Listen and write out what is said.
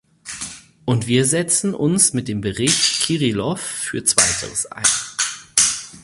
Und wir setzen uns mit dem Bericht Kirilov für Zweiteres ein.